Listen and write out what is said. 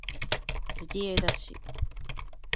藤枝市